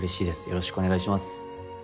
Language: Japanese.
よろしくお願いします。